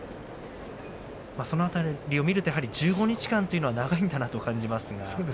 その辺りを見るとやはり１５日間というのは長いんだなと感じます。